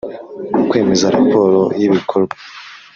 Kwemeza raporo y’ibikorwa